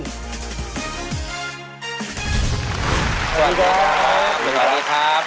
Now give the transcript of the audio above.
สวัสดีครับสวัสดีครับ